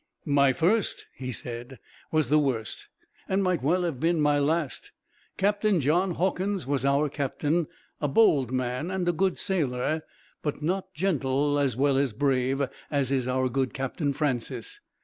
"My first," he said, "was the worst, and might well have been my last. Captain John Hawkins was our captain, a bold man and a good sailor; but not gentle as well as brave, as is our good Captain Francis.